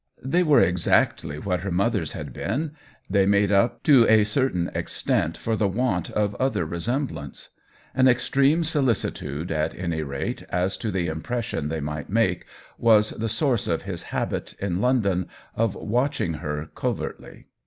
They were exactly what her mother's had been ; they made up to a cer tain extent for the want of other resem blance. An extreme solicitude, at any rate, as to the impression they might make, was the source of his habit, in London, of watch ing her covertly.